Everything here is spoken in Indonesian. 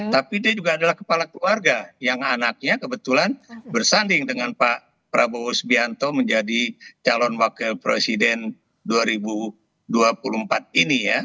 tapi dia juga adalah kepala keluarga yang anaknya kebetulan bersanding dengan pak prabowo subianto menjadi calon wakil presiden dua ribu dua puluh empat ini ya